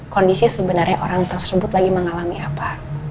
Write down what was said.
kondisi sebenarnya orang tersebut lagi mengalami apa